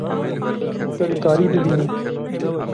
Tu dikarî bibînî